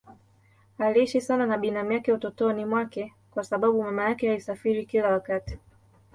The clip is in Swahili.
Aliishi sana na binamu yake utotoni mwake kwa sababu mama yake alisafiri kila wakati.